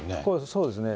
そうですね。